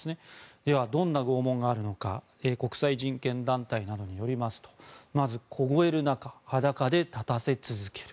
では、どんな拷問があるのか国際人権団体などによりますとまず凍える中裸で立たせ続ける。